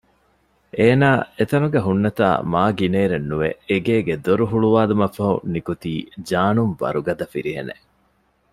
އޭނާ އެތަނުގައި ހުންނަތާ މާ ގިނައިރެއްނުވެ އެގޭގެ ދޮރު ހުޅުވާލުމަށްފަހު ނިކުތީ ޖާނުން ވަރުގަދަ ފިރިހެނެއް